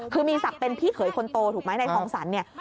คือมีศักดิ์เป็นพี่เขยคนโตถูกไหมนายทองสันเนี่ย